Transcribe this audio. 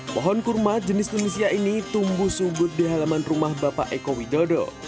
pohon kurma jenis tunisia ini tumbuh subur di halaman rumah bapak eko widodo